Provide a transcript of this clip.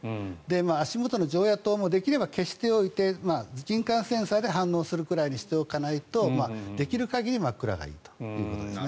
足元の常夜灯もできれば消しておいて人感センサーで反応するくらいにしておかないとできる限り真っ暗がいいということですね。